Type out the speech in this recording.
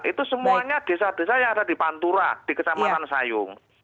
itu semuanya desa desa yang ada di pantura di kecamatan sayung